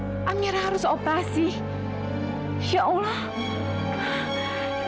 dan sekarang dokter lagi berusaha ma